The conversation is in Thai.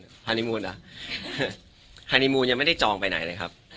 พี่ก่อนนะฮานิมูนฮานิมูนหรอฮานิมูนยังไม่ได้จองไปไหนเลยครับ